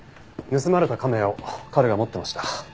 盗まれた亀を彼が持ってました。